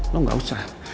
lo gak usah